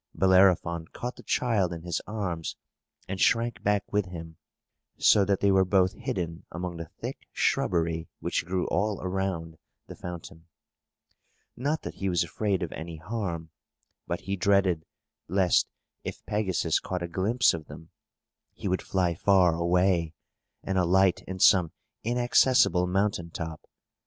Bellerophon caught the child in his arms, and shrank back with him, so that they were both hidden among the thick shrubbery which grew all around the fountain. Not that he was afraid of any harm, but he dreaded lest, if Pegasus caught a glimpse of them, he would fly far away, and alight in some inaccessible mountain top.